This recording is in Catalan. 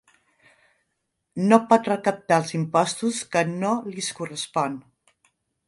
No pot recaptar els imposts que no lis correspon.